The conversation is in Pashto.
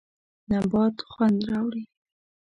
نبات خوند راوړي.